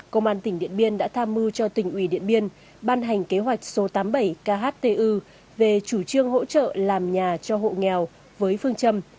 công an tỉnh điện biên đã tham mưu cho tỉnh ủy điện biên ban hành kế hoạch số tám mươi bảy khtu về chủ trương hỗ trợ làm nhà cho hộ nghèo với phương châm